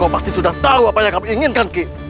kau pasti sudah tahu apa yang kamu inginkan ki